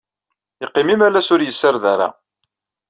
Yeqqim imalas ur yessared ara.